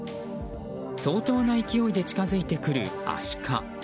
相当な勢いで近づいてくるアシカ。